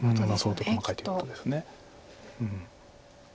相当細かいということです。